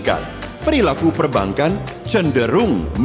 dalam amal ec disetu otomatis bawa tinggi untuk chalis oz institute